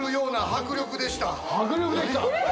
「迫力でした」。